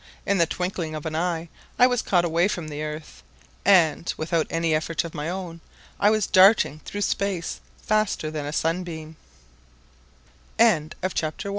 In the twinkling of an eye I was caught away from the Earth and, without any effort of my own, I was darting through space faster than a sunbeam. CHAPTER II.